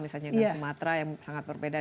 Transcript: misalnya dan sumatera yang sangat berbeda